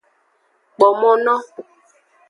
Kpo mo no.